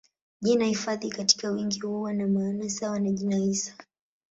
Jina hifadhi katika wingi huwa na maana sawa na jina hisa.